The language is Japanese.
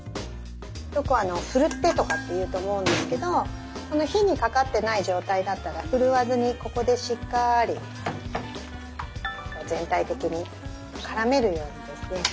よく振るってとかって言うと思うんですけど火にかかってない状態だったら振るわずにここでしっかり全体的に絡めるようにですね